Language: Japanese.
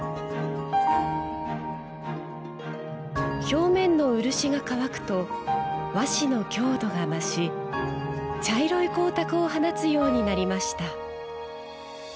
表面の漆が乾くと和紙の強度が増し茶色い光沢を放つようになりました。